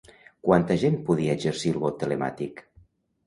Quanta gent podia exercir el vot telemàtic?